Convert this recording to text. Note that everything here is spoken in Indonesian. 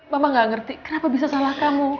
mama gak ngerti kenapa bisa salah kamu